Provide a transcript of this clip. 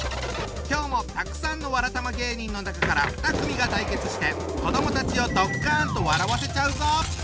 今日もたくさんのわらたま芸人の中から２組が対決して子どもたちをドッカンと笑わせちゃうぞ！